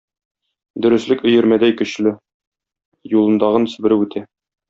Дөреслек өермәдәй көчле: юлындагын себереп үтә.